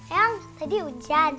eang tadi hujan